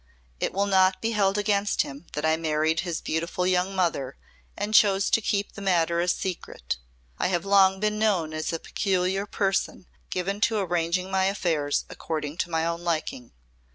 It will not be held against him that I married his beautiful young mother and chose to keep the matter a secret. I have long been known as a peculiar person given to arranging my affairs according to my own liking.